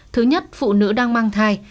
thứ nhất phụ nữ đang mang thai